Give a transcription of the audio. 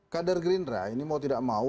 kader gerindra ini mau tidak mau